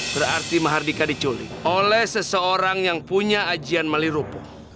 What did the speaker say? berarti mahardika diculik oleh seseorang yang punya ajian malirupuk